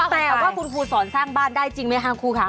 แต่ว่าคุณครูสอนสร้างบ้านได้จริงไหมคะครูคะ